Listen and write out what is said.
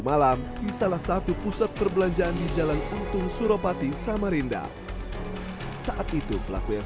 malam di salah satu pusat perbelanjaan di jalan untung suropati samarinda saat itu pelaku yang